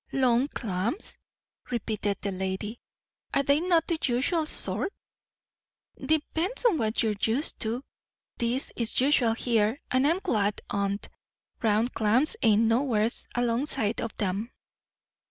"Long clams," repeated the lady. "Are they not the usual sort?" "Depends on what you're used to. These is usual here, and I'm glad on't. Round clams ain't nowheres alongside o' 'em."